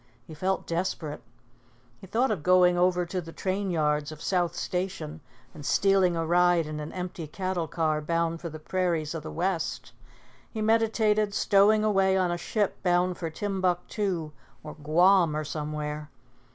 He felt desperate. He thought of going over to the train yards of South Station and stealing a ride in an empty cattle car bound for the prairies of the West. He meditated stowing away on a ship bound for Timbuctoo or Guam or somewhere.